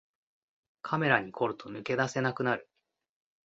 カメラに凝ると抜け出せなくなる